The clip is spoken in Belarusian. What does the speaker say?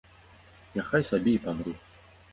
Няхай сабе і памру.